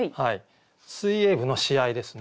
水泳部の試合ですね。